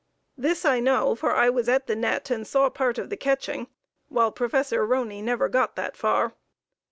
This I know, for I was at the net and saw part of the catching, while Prof. Roney never got that far.